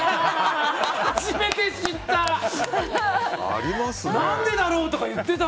初めて知った！